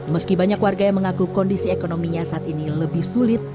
meski banyak warga yang mengaku kondisi ekonominya saat ini lebih sulit